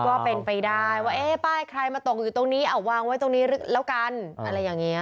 ก็เป็นไปได้ว่าเอ๊ะป้ายใครมาตกอยู่ตรงนี้เอาวางไว้ตรงนี้แล้วกันอะไรอย่างนี้